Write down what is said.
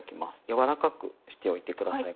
柔らかくしておいて下さい。